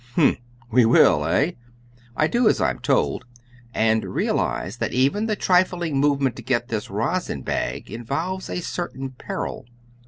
H'm! We will, eh? I do as I am told, and realize that even the trifling movement to get this rosin bag involves a certain peril.